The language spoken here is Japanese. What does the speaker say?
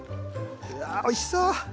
うわおいしそう！